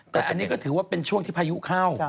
แต่อันนี้ก็ถือว่าเป็นช่วงที่พายุเข้า